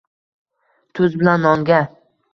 Tuz bilan nonga